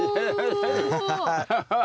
ハハハッ。